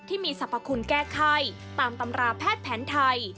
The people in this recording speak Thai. ที่มีสรรพคุณแก้ไข้ตามตำราแพทย์แผนไทย